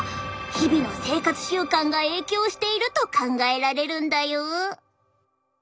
日々の生活習慣が影響していると考えられるんだよ。